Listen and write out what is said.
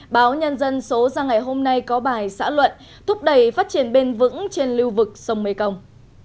báo nhân dân số ra ngày hôm nay có bài xã luận thúc đẩy phát triển bền vững trên lưu vực sông mekong